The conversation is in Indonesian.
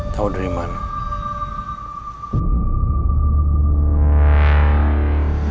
tau dari mana